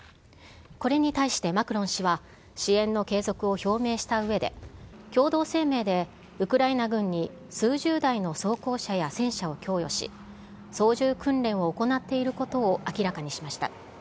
これに対して、マクロン氏は、支援の継続を表明したうえで、共同声明でウクライナ軍に数十台の装甲車や戦車を供与し、操縦訓練を行っていることを明らかにしました。